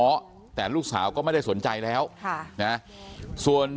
เพราะไม่เคยถามลูกสาวนะว่าไปทำธุรกิจแบบไหนอะไรยังไง